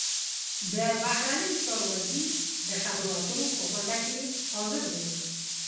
د بهرنیو چارو وزیر د خبرو اترو په غونډه کې حاضر و.